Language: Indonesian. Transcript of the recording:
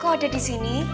kok ada disini